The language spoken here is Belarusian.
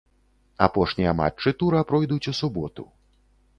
Апошнія матчы тура пройдуць у суботу.